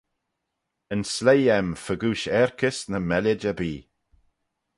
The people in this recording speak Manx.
Yn sleih aym fegooish aarkys ny mellid erbee.